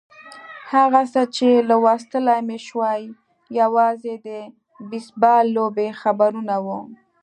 هغه څه چې لوستلای مې شوای یوازې د بېسبال لوبې خبرونه وو.